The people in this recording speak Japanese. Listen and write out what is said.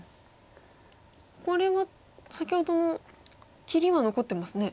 これは先ほどの切りは残ってますね。